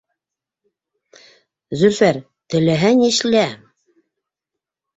Зөлфәр, теләһә ни эшлә!